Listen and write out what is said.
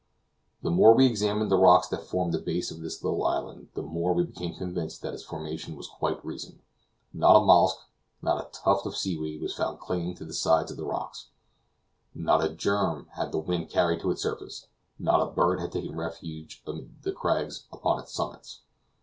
The more we examined the rocks that formed the base of the little island, the more we became convinced that its formation was quite recent. Not a mollusk, not a tuft of seaweed was found clinging to the sides of the rocks; not a germ had the wind carried to its surface, not a bird had taken refuge amid the crags upon its summits.